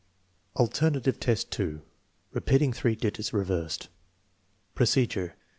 , Alternative test 2 : repeating three digits reversed Procedure.